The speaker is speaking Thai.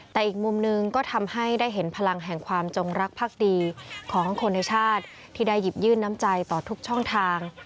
แต่อีกมุมหนึ่งก็ทำให้ได้เห็นพลังแห่งความจงรักภักดีของคนในชาติที่ได้หยิบยื่นน้ำใจต่อทุกช่องทาง